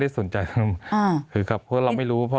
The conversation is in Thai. มีความรู้สึกว่ามีความรู้สึกว่า